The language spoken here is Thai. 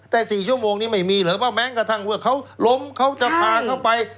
แต่๔ชั่วโมงนี้ไม่มีหรือว่าแม้กระทั่งว่าเขาล้มเขาจะพาเขาไป